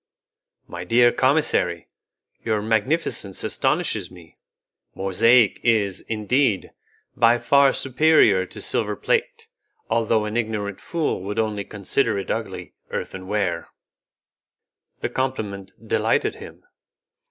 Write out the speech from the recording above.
"My dear commissary, your magnificence astonishes me; mosaic is, indeed, by far superior to silver plate, although an ignorant fool would only consider it ugly earthen ware." The compliment delighted him.